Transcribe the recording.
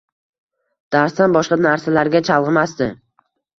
darsdan boshqa narsalarga chalg'imasdi.